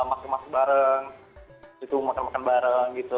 masuk masuk bareng gitu makan makan bareng gitu